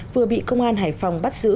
vừa bị công an hải phòng bắt giữ